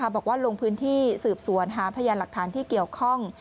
บอกว่าลงพื้นที่สืบสวนหาพยานหลักฐานที่เกี่ยวข้อง